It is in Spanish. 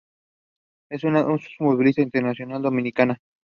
Es una futbolista internacional Dominicana.